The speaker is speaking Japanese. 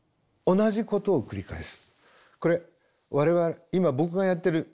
同じことを繰り返す。